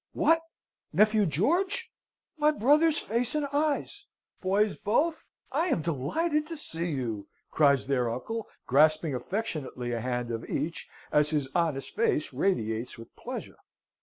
"What, nephew George? My brother's face and eyes! Boys both, I am delighted to see you!" cries their uncle, grasping affectionately a hand of each, as his honest face radiates with pleasure.